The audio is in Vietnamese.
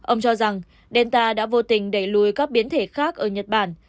ông cho rằng delta đã vô tình đẩy lùi các biến thể khác ở nhật bản